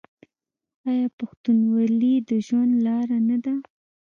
آیا پښتونولي د ژوند لاره نه ده؟